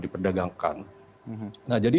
diperdagangkan nah jadi